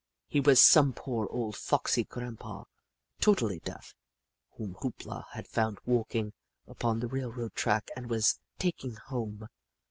He was some poor old foxy grandpa, totally deaf, whom Hoop La had found walking upon the railroad track and was taking home.